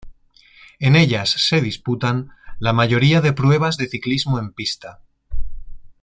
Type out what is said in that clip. En ellas se disputan la mayoría de pruebas de ciclismo en pista.